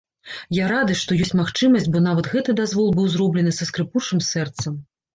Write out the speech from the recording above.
Я рады, што ёсць магчымасць, бо нават гэты дазвол быў зроблены са скрыпучым сэрцам.